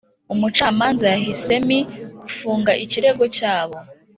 umucamanza yahisemi gufunga ikirego cyabo